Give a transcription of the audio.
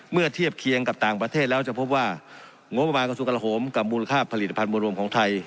เมื่อเทียบเคียงกับต่างประเทศแล้วจะพบว่างบบางกันสุดกระโหมกับมูลค่าผลิตภัณฑ์มูลมของไทย